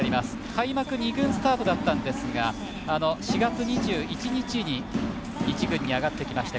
開幕二軍スタートだったんですが４月２１日に一軍に上がってきまして